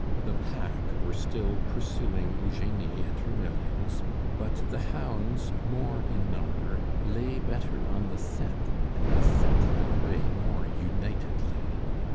The pack were still pursuing Eugenie and her millions; but the hounds, more in number, lay better on the scent, and beset the prey more unitedly.